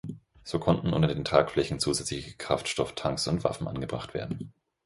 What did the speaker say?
So konnten unter den Tragflächen zusätzliche Kraftstofftanks und Waffen angebracht werden.